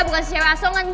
bukan si c a s m a